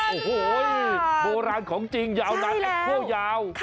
โอ้โหโบราณของจริงยาวนานแอคเคิลยาว